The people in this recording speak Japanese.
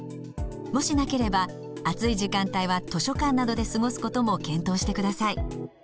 もしなければ暑い時間帯は図書館などで過ごすことも検討してください。